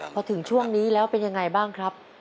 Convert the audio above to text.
พอถึงช่วงนี้แล้วเป็นยังไงบ้างครับ